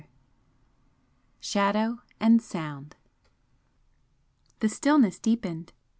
XVI SHADOW AND SOUND The stillness deepened.